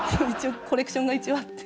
コレクションが一応あって。